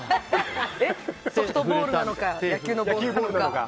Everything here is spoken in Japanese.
ソフトボールなのか野球のボールなのか。